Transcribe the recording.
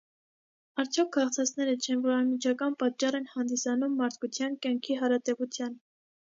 արդյոք քաղցածները չե՞ն, որ անմիջական պատճառ են հանդիսանում մարդկության կյանքի հարատևության: